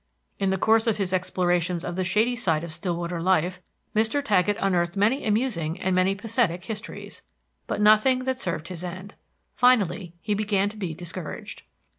In the course of his explorations of the shady side of Stillwater life, Mr. Taggett unearthed many amusing and many pathetic histories, but nothing that served his end. Finally, he began to be discouraged.